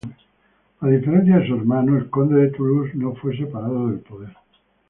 A diferencia de su hermano, el conde de Toulouse no fue separado del poder.